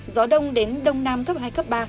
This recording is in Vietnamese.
gió đông đến đông nam cấp hai cấp ba